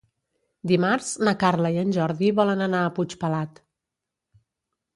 Dimarts na Carla i en Jordi volen anar a Puigpelat.